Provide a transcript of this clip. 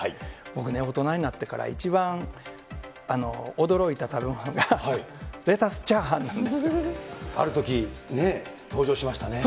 僕ね、大人になってから一番驚いた食べ物が、レタスチャーハンなんですあるときね、登場しましたね。